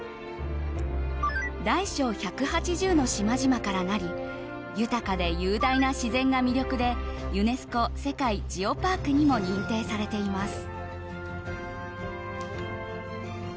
大小１８０の島々からなり豊かで雄大な自然が魅力でユネスコ世界ジオパークにも認定されています。